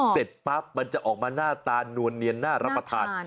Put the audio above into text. เสร็จปั๊บมันจะออกมาหน้าตานวลเนียนน่ารับประทาน